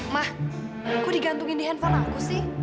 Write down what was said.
ma kok digantungin di handphone aku sih